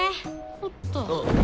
おっと。